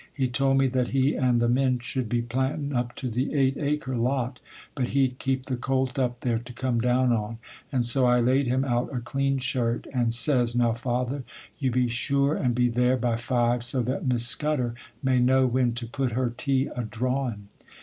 He told me, that he and the men should be plantin' up to the eight acre lot, but he'd keep the colt up there to come down on; and so I laid him out a clean shirt, and says, "Now, father, you be sure and be there by five, so that Miss Scudder may know when to put her tea a drawin'."